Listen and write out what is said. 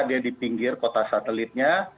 dia di pinggir kota satelitnya